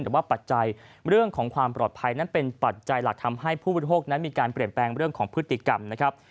แต่ว่าปัจจัยเรื่องของความปลอดภัยนั้นเป็นปัจจัยหลักทำให้ผู้บริโภคนั้นมีการเปลี่ยนแปลงเรื่องของพฤติกรรมนะครับ